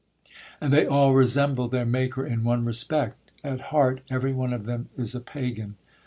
And they all resemble their maker in one respect; at heart every one of them is a Pagan.